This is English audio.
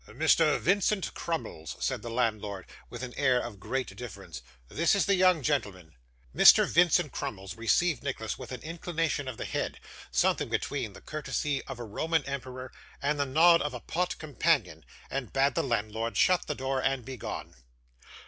'Mr. Vincent Crummles,' said the landlord with an air of great deference. 'This is the young gentleman.' Mr. Vincent Crummles received Nicholas with an inclination of the head, something between the courtesy of a Roman emperor and the nod of a pot companion; and bade the landlord shut the door and begone.